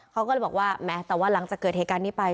เขาก็เลยบอกว่าแม้แต่ว่าหลังจากเกิดเหตุการณ์นี้ไป